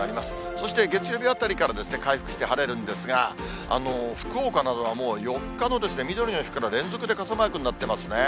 そして、月曜日あたりから回復して、晴れるんですが、福岡などはもう４日のみどりの日から連続で傘マークになってますね。